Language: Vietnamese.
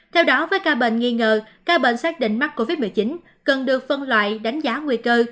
theo đó với ca bệnh nghi ngờ ca bệnh xác định mắc covid một mươi chín cần được phân loại đánh giá nguy cơ